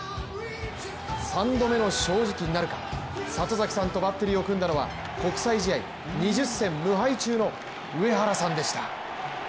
３度目の正直なるか、里崎さんとバッテリーを組んだのは国際試合２０戦無敗中の上原さんでした。